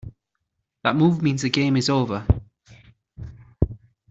That move means the game is over.